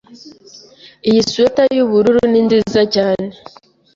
Iyi swater yubururu ni nziza cyane.